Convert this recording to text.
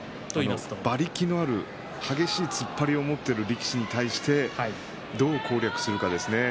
馬力のある激しい突っ張りを持っている力士に対してどう攻略するかですね。